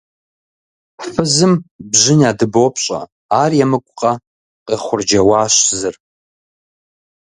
– Фызым бжьын ядыбопщӀэ, ар емыкӀукъэ? – къехъурджэуащ зыр.